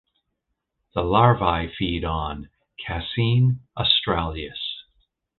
The larvae feed on "Cassine australis".